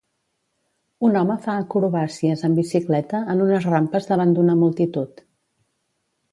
Un home fa acrobàcies amb bicicleta en unes rampes davant d'una multitud.